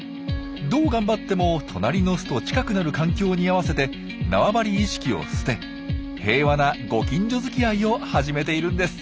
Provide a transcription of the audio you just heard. どう頑張っても隣の巣と近くなる環境に合わせて縄張り意識を捨て平和なご近所づきあいを始めているんです。